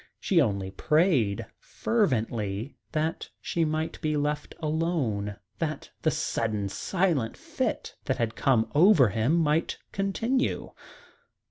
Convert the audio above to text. She only prayed fervently that she might be left alone, that the sudden silent fit that had come over him might continue.